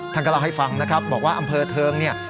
ท่านก็เล่าให้ฟังนะครับบอกว่าอำเภอเทิงเนี่ย